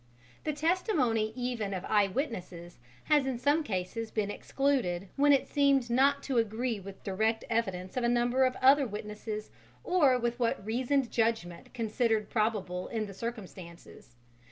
The testimony even of eye witnesses has in some cases been excluded when it seemed not to agree with direct evidence of a number of other witnesses or with what reasoned judgment considered probable in the circumstances.